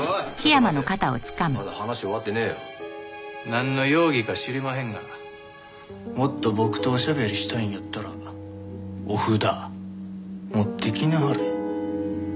なんの容疑か知りまへんがもっと僕とおしゃべりしたいんやったらおフダ持ってきなはれ。